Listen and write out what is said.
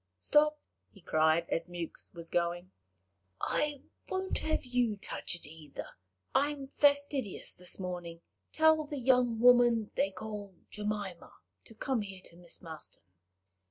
Stop," he cried, as Mewks was going, "I won't have you touch it either; I am fastidious this morning. Tell the young woman they call Jemima to come here to Miss Marston."